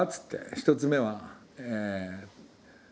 「１つ目は」